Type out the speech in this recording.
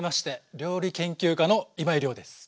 料理研究家の今井亮です。